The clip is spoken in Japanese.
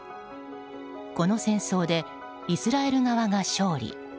この戦争でイスラエル側が勝利。